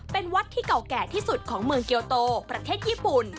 เป็นวัดที่เก่าแก่ที่สุดของเมืองเกียวโตประเทศญี่ปุ่น